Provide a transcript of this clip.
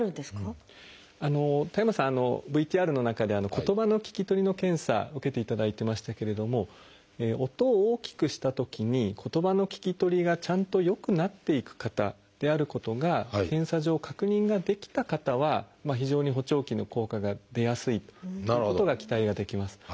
ＶＴＲの中で言葉の聞き取りの検査受けていただいてましたけれども音を大きくしたときに言葉の聞き取りがちゃんと良くなっていく方であることが検査上確認ができた方は非常に補聴器の効果が出やすいということが期待はできます。